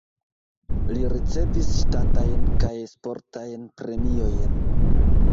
Li ricevis ŝtatajn kaj sportajn premiojn.